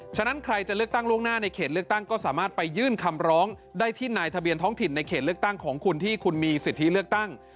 ฉะนั้นใครจะเลือกตั้งล่วงหน้าในเขตเลือกตั้งก็สามารถไปยื่นคำร้องได้ที่นายทะเบียนท้องถิ่นในเขตเลือกตั้งของคุณที่คุณมีสิทธิเลือกตั้ง